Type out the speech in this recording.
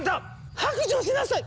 白状しなさい！